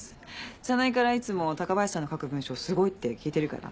沙苗からいつも高林さんの書く文章すごいって聞いてるから。